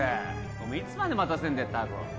おめえいつまで待たせんだよタコ。